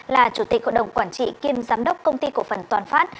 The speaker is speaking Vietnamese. là chủ tịch cộng đồng quản trị kiêm giám đốc công ty cộng phần toàn phát